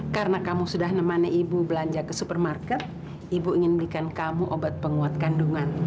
karena kamu sudah nemanin ibu belanja ke supermarket ibu ingin belikan kamu obat penguat kandungan